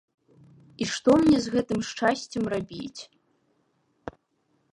І што мне з гэтым шчасцем рабіць?